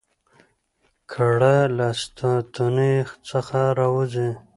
ګړه له ستوني څخه راوزي؟